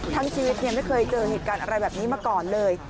ทั้งชีวิตเนี่ยไม่เคยเจอเหตุการณ์อะไรแบบนี้มาก่อนเลย